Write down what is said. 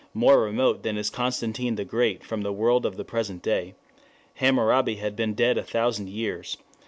more remote than is Constantine the Great from the world of the present day.... Hammurabi had been dead a thousand years...